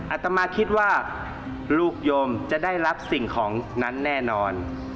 อาตมาคิดว่าลูกโยมจะได้รับสิ่งของนั้นแน่นอน